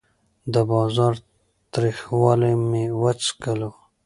د بازار تریخوالی مې وڅکلو.